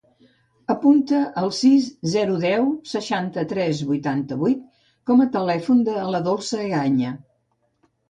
Apunta el sis, zero, deu, seixanta-tres, vuitanta-vuit com a telèfon de la Dolça Egaña.